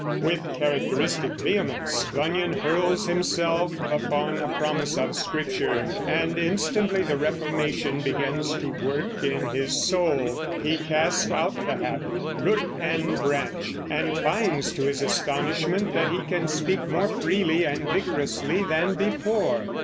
With characteristic vehemence Bunyan hurls himself upon a promise of Scripture, and instantly the reformation begins to work in his soul. He casts out the habit, root and branch, and finds to his astonishment that he can speak more freely and vigorously than before.